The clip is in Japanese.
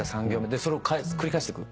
それを繰り返してく。